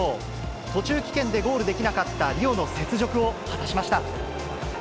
途中棄権でゴールできなかったリオの雪辱を果たしました。